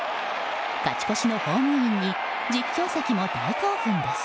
勝ち越しのホームインに実況席も大興奮です。